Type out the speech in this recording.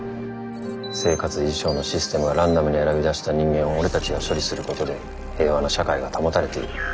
生活維持省のシステムがランダムに選び出した人間を俺たちが処理することで平和な社会が保たれている。